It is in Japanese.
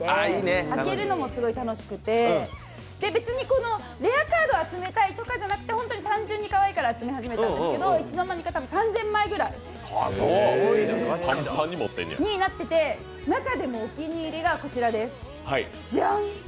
開けるのもすごい楽しくて、レアカード集めたいからとかではなくて本当に単純にかわいいから集め始めたんですけどいつの間にか３０００枚ぐらいになってて、中でもお気に入りがこちらです、じゃん。